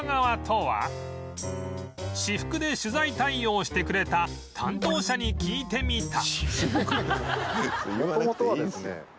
私服で取材対応してくれた担当者に聞いてみた